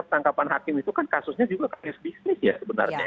penangkapan hakim itu kan kasusnya juga bisnis ya sebenarnya